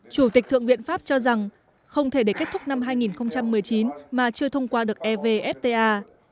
chủ tịch thượng viện pháp cho rằng không thể để kết thúc năm hai nghìn một mươi chín mà chưa thông qua được evfta